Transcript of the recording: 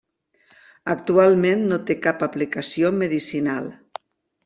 Actualment no té cap aplicació medicinal.